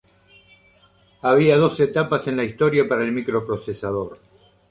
Había dos etapas en la historia para el microprocesador.